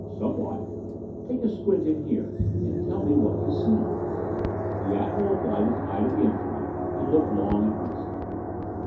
"Somewhat." "Take a squint in here and tell me what you see." The Admiral applied his eye to the instrument and looked long and earnestly.